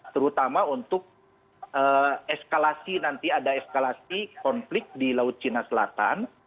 terutama untuk eskalasi nanti ada eskalasi konflik di laut cina selatan